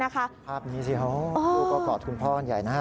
ภาพนี้สิลูกก็กอดคุณพ่อกันใหญ่นะฮะ